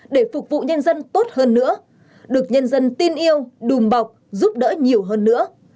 để phục vụ nhân dân tốt hơn nữa được nhân dân tin yêu đùm bọc giúp đỡ nhiều hơn nữa